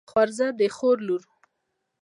خورزه د خور لور.